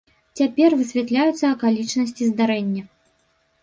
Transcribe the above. Цяпер высвятляюцца акалічнасці здарэння.